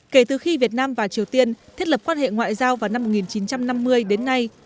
kể từ khi việt nam và triều tiên thiết lập quan hệ ngoại giao vào năm một nghìn chín trăm năm mươi đến nay